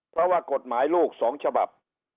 เพราะว่ากฎหมายลูก๒ฉบับ